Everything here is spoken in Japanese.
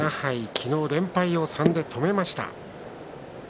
昨日、連敗を３で止めました。